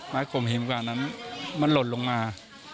ไม้ข่มเห็งขวานั้นมันหล่นลงมา